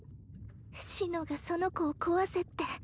紫乃がその子を壊せって。